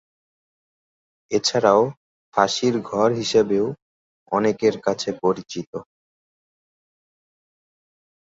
এছাড়াও ফাঁসির ঘর হিসেবেও অনেকের কাছে পরিচিত।